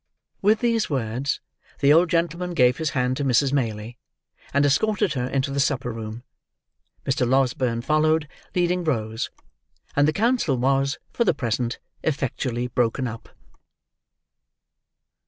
With these words, the old gentleman gave his hand to Mrs. Maylie, and escorted her into the supper room. Mr. Losberne followed, leading Rose; and the council was, for the present, effectually broken up.